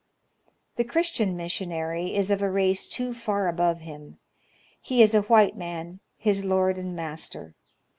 The Chris tian missionary is of a race too far above him. He is a white man, his lord and master.